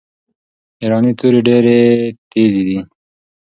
ایرانۍ توري ډیري تیزي دي.